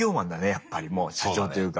やっぱりもう社長というか。